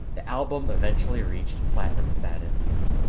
The album eventually reached platinum status.